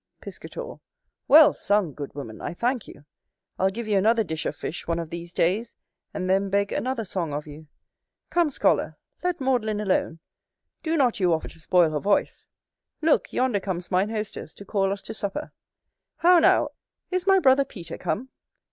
Piscator. Well sung, good woman; I thank you. I'll give you another dish of fish one of these days; and then beg another song of you. Come, scholar! let Maudlin alone: do not you offer to spoil her voice. Look! yonder comes mine hostess, to call us to supper. How now! is my brother Peter come?